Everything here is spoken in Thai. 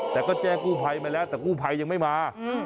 แต่ก็แจ้งกู้ภัยมาแล้วแต่กู้ภัยยังไม่มา